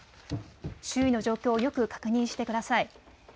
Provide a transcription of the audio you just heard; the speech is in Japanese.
周囲の状況をよく確認してください。